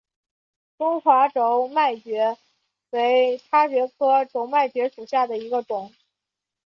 中华轴脉蕨为叉蕨科轴脉蕨属下的一个种。